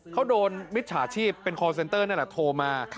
เขาโดนมิจฉาชีพเป็นคอร์เซ็นเตอร์นั่นแหละโทรมา